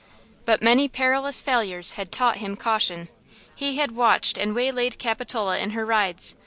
But many perilous failures had taught him caution. He had watched and waylaid Capitola in her rides.